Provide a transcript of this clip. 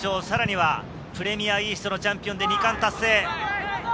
さらにはプレミアＥＡＳＴのチャンピオンで２冠達成。